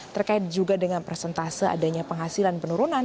terkait juga dengan persentase adanya penghasilan penurunan